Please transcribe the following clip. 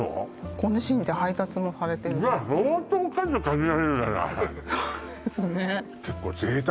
ご自身で配達もされてるじゃあ相当数限られるじゃないそうですね